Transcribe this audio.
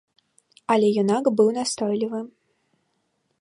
Але юнак быў настойлівы.